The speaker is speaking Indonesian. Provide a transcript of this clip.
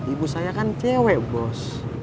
ibu saya kan cewek bos